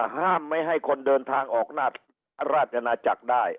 ห้ามไม่ให้คนเดินทางออกหน้าราชนาจักรได้